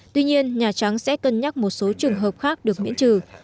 tuy nhiên nha trang sẽ cân nhắc một số trường hợp khác được miễn trừ